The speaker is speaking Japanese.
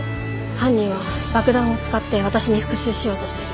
犯人は爆弾を使って私に復讐しようとしてる。